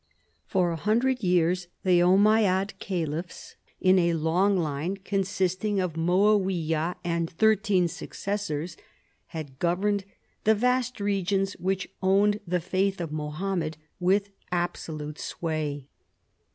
For a hundred years the Ommayad caliphs in a long line, consisting of Moawiyah and thirteen successors, had governed the vast regions which owned the faith of Mohammed, with absolute sway.